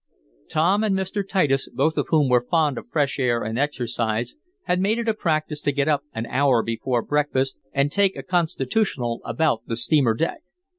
Tom and Mr. Titus, both of whom were fond of fresh air and exercise, had made it a practice to get up an hour before breakfast and take a constitutional about the steamer deck.